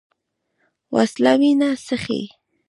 وسله وینه څښي